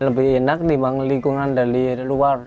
lebih enak dibanding lingkungan dari luar